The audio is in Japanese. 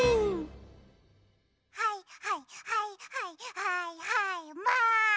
はいはいはいはいはいはいマン！